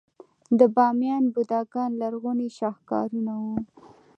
د بامیان بوداګان لرغوني شاهکارونه وو